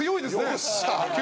よっしゃ。